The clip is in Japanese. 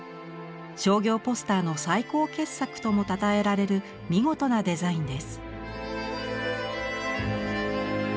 商業ポスターの最高傑作ともたたえられる見事なデザインです。